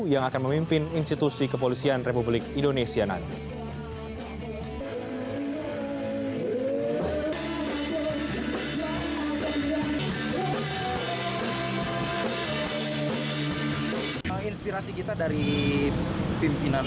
yang akan memimpin institusi kepolisian republik indonesia nanti